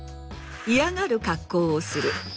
嫌がる格好をする。